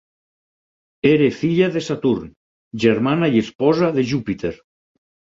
Era filla de Saturn, germana i esposa de Júpiter.